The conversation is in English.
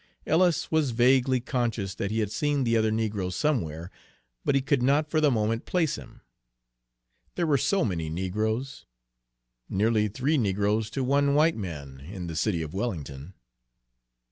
Ellis was vaguely conscious that he had seen the other negro somewhere, but he could not for the moment place him, there were so many negroes, nearly three negroes to one white man in the city of Wellington!